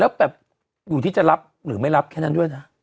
แล้วแบบอยู่ที่จะรับหรือไม่รับแค่นั้นด้วยนะ